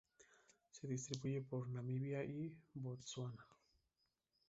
Se distribuye por Namibia y Botsuana.